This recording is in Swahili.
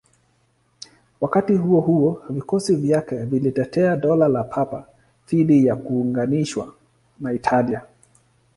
Wakati huo huo, vikosi vyake vilitetea Dola la Papa dhidi ya kuunganishwa na Italia.